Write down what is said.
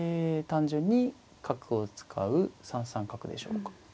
単純に角を使う３三角でしょうか。